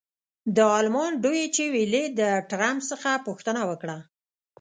د المان ډویچې وېلې د ټرمپ څخه پوښتنه وکړه.